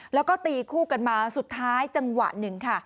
แล้วก็ตีคู่กันมาสุดท้ายจังหวะหนึ่งค่ะ